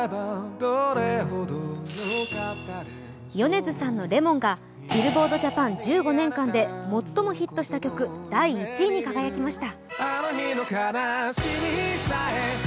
米津さんの「Ｌｅｍｏｎ」がＢｉｌｌｂｏａｒｄＪＡＰＡＮ、１５年間で最もヒットした曲第１位に輝きました。